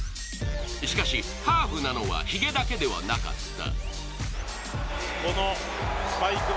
しかし、ハーフなのはひげだけではなかった。